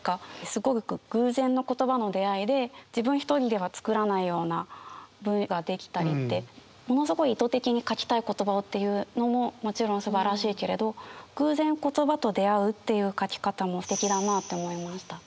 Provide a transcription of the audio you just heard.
すごく偶然の言葉の出会いで自分一人では作らないような文が出来たりってものすごい意図的に書きたい言葉をっていうのももちろんすばらしいけれど偶然言葉と出会うっていう書き方もすてきだなって思いました。